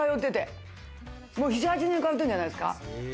もう７８年通ってるんじゃないですか。